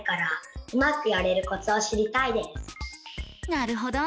なるほど。